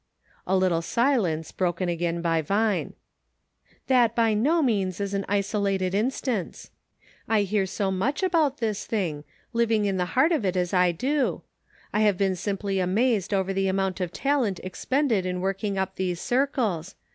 " A little silence, broken again by Vine :" That is by no means an isolated instance ; I hear so much about this thing ; living in the heart of it as I do. I have been simply amazed over the amount of talent expended in working up these circles.